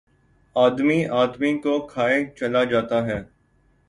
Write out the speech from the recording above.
آدمی، آدمی کو کھائے چلا جاتا ہے